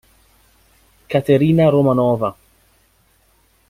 Caterina Romanova